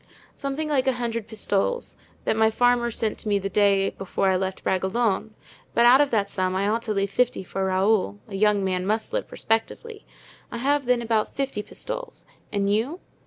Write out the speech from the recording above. "Something like a hundred pistoles, that my farmer sent to me the day before I left Bragelonne; but out of that sum I ought to leave fifty for Raoul—a young man must live respectably. I have then about fifty pistoles. And you?"